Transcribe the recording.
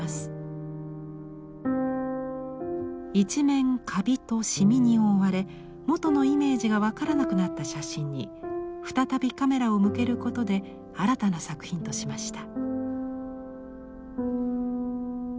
一面カビと染みに覆われもとのイメージが分からなくなった写真に再びカメラを向けることで新たな作品としました。